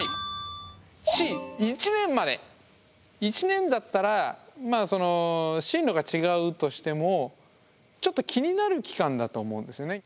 １年だったらまあ進路が違うとしてもちょっと気になる期間だと思うんですよね。